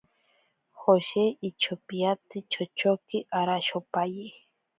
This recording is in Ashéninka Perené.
Joshe ichopiriatsi chochoke arashopaye.